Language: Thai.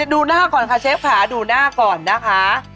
ดูหน้าก่อนค่ะเชฟค่ะดูหน้าก่อนนะคะ